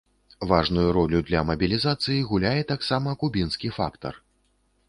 Важную ролю для мабілізацыі гуляе таксама кубінскі фактар.